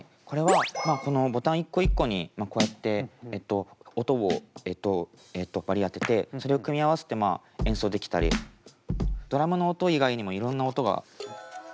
これはボタン一個一個にこうやって音を割り当ててそれを組み合わせて演奏できたりドラムの音以外にもいろんな音が。